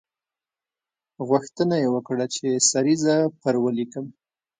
غوښتنه یې وکړه چې سریزه پر ولیکم.